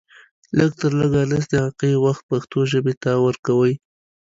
لږ تر لږه لس دقيقې وخت پښتو ژبې ته ورکوئ